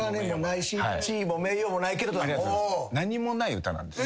何もない歌なんです。